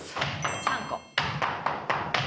３個。